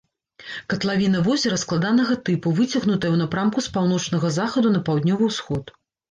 Катлавіна возера складанага тыпу, выцягнутая ў напрамку з паўночнага захаду на паўднёвы ўсход.